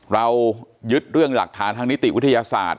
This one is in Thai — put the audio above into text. เรายึดเรื่องหลักฐานทางนิติวิทยาศาสตร์